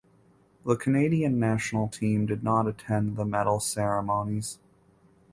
The Canadian national team did not attend the medal ceremonies.